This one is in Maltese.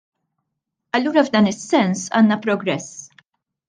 Allura f'dan is-sens għandna progress.